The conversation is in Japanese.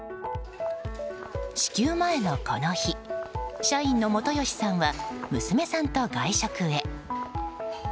支給前のこの日社員の本吉さんは娘さんと外食へ。